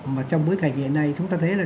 mà trong bối cảnh hiện nay chúng ta thấy là